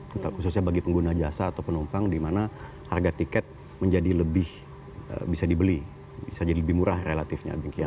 khususnya bagi pengguna jasa atau penumpang di mana harga tiket menjadi lebih bisa dibeli bisa jadi lebih murah relatifnya